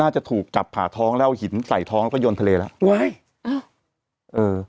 จะถูกจับผ่าท้องแล้วเอาหินใส่ท้องแล้วก็ยนทะเลแล้วว้ายอ้าวเออ